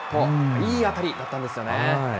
いい当たりだったんですよね。